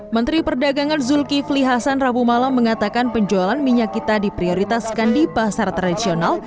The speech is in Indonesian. menteri perdagangan zulkifli hasan rabu malam mengatakan penjualan minyak kita diprioritaskan di pasar tradisional